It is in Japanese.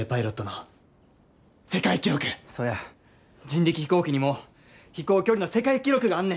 人力飛行機にも飛行距離の世界記録があんねん。